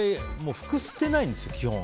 服捨てないんですよ、基本。